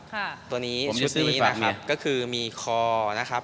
ค่ะตัวนี้ชุดนี้ก็คือมีคอธัยปราคมละครับ